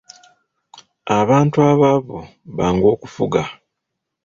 Abantu abaavu bangu okufuga.